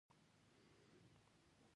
له څو رنګونو څخه کار اخیستل کیږي.